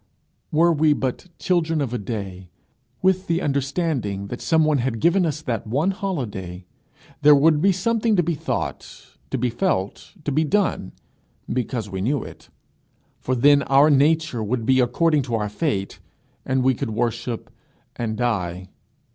Were we but children of a day, with the understanding that some one had given us that one holiday, there would be something to be thought, to be felt, to be done, because we knew it. For then our nature would be according to our fate, and we could worship and die.